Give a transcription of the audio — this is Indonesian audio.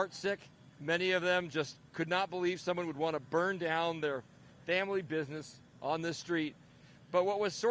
banyaknya mereka tidak percaya bahwa seseorang ingin menjebak bisnis keluarga mereka di jalan ini